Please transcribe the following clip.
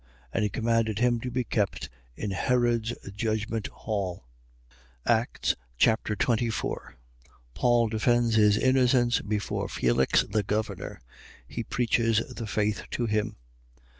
And he commanded him to be kept in Herod's judgment hall. Acts Chapter 24 Paul defends his innocence before Felix the governor. He preaches the faith to him.